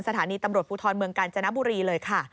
สถานีตำรวจภูทรเมืองกาญจนบุรีเลยค่ะ